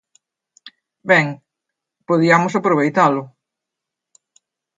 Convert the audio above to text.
Ben, podiamos aproveitalo.